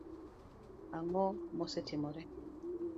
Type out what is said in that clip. Ang'o mosetimore?